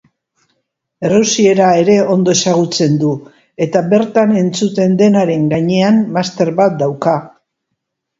Errusiera ere ondo ezagutzen du eta bertan entzuten denaren gainean master bat dauka.